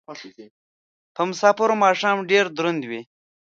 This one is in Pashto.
په مسافرو ماښام ډېر دروند وي